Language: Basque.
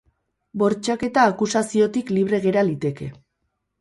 Bortxaketa akusaziotik libre gera liteke.